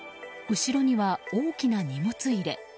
後ろには大きな荷物入れ。